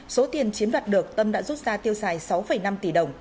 số tiền chiếm đoạt được tâm đã rút ra tiêu xài sáu năm tỷ đồng